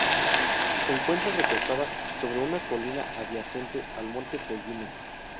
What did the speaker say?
Se encuentra recostada sobre una colina adyacente al monte Pollino.